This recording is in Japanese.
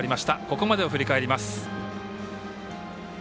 ここまでを振り返ります。